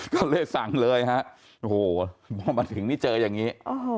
ก็เลยสั่งเลยฮะโอ้โหพอมาถึงนี่เจออย่างนี้